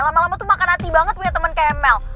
lama lama tuh makan hati banget punya temen ke emel